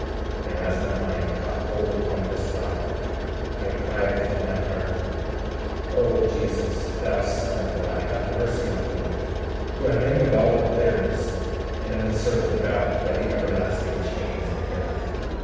36:18 Now, as my mind caught hold upon this thought, I cried within my heart: O Jesus, thou Son of God, have mercy on me, who am in the gall of bitterness, and am encircled about by the everlasting chains of death.